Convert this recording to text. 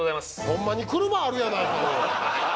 ほんまに車あるやないかおい。